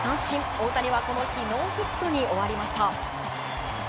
大谷はこの日ノーヒットに終わりました。